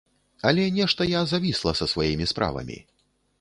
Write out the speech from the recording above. Але нешта я завісла са сваімі справамі.